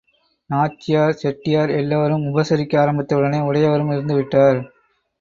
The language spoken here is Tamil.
நாச்சியார், செட்டியார் எல்லோரும் உபசரிக்க ஆரம்பித்த உடனே உடையவரும் இருந்து விட்டார்.